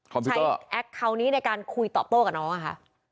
คอมพิวเกอร์ใช้แอคคาวนี้ในการคุยต่อโป้กับน้องค่ะ